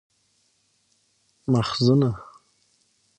ماخذونه: